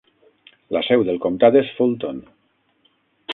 La seu del comtat és Fulton.